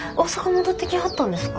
戻ってきはったんですか？